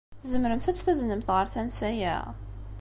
Tzemremt ad tt-taznemt ɣer tansa-a?